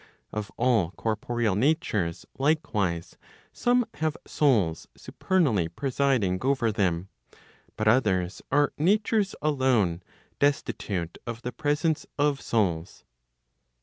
Of all corporeal natures, likewise, some have souls supernally presiding over them, but others are natures alone, destitute of the presence of souls.